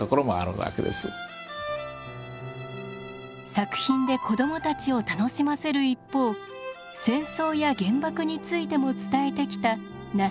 作品で子どもたちを楽しませる一方戦争や原爆についても伝えてきた那須正幹さん。